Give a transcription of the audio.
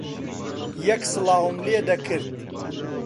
یەک سڵاوم لێ دەکرد